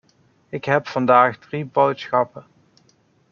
Ik heb vandaag drie boodschappen.